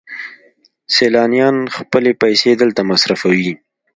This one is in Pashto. سیلانیان خپلې پیسې دلته مصرفوي.